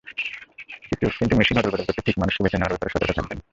কিন্তু মেশিন অদলবদল করতে ঠিক মানুষকে বেছে নেওয়ার ব্যাপারে সতর্ক থাকবেন।